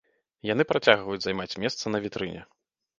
Яны працягваюць займаць месца на вітрыне.